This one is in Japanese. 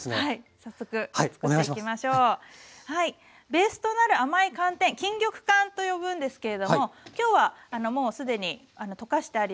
ベースとなる甘い寒天「錦玉かん」と呼ぶんですけれども今日はもう既に溶かしてあります。